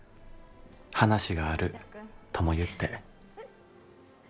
話があるとも言って」。